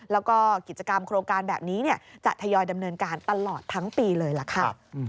แล้วก็กิจกรรมโครงการแบบนี้จะทยอยดำเนินการตลอดทั้งปีเลยล่ะค่ะ